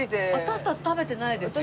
私たち食べてないです。